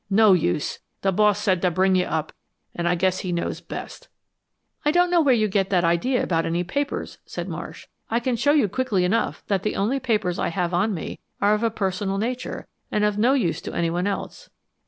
No use; the boss said to bring you up, and I guess he knows best." "I don't know where you get that idea about any papers," said Marsh. "I can show you quickly enough that the only papers I have on me are of a personal nature and of no use to anyone else."